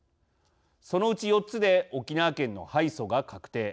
そのうち４つで沖縄県の敗訴が確定。